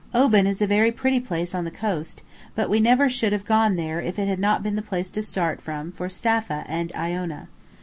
Oban is a very pretty place on the coast, but we never should have gone there if it had not been the place to start from for Staffa and Iona.